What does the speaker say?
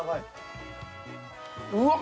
うわっ